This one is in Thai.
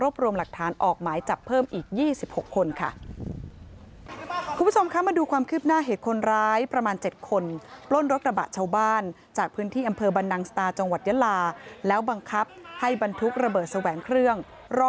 ปล้นรถกระบะชาวบ้านจากพื้นที่อำเภอบันดังสตาจังหวัดยะลาแล้วบังคับให้บรรทุกระเบิดแสวงเครื่อง